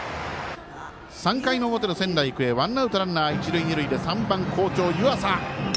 ３回の表の仙台育英ワンアウト、ランナー、一塁二塁３番、好調、湯浅。